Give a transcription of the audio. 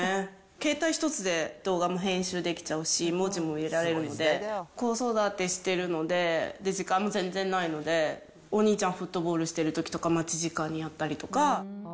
携帯一つで動画の編集できちゃうし、文字も入れられるので、子育てしてるのでデジカメも全然ないので、お兄ちゃん、フットボールしてるときとか、待ち時間にやったりとか。